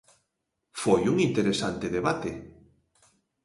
Foi un interesante debate.